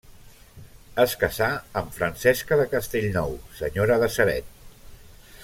Es casà amb Francesca de Castellnou, senyora de Ceret.